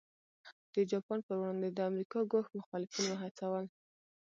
د جاپان پر وړاندې د امریکا ګواښ مخالفین وهڅول.